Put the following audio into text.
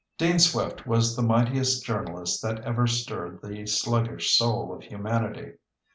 Dean Swift was the mightiest journalist that ever stirred the sluggish soul of humanity.